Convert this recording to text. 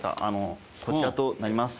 こちらとなります。